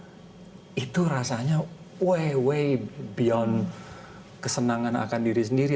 tapi bagian orang tergetar nangis bahagia itu rasanya way way beyond kesenangan akan diri sendiri